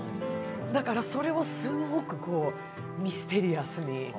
だから、それをすんごくミステリアスに。